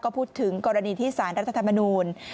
ก็พูดถึงกรณีที่สารรัฐธรรมนูล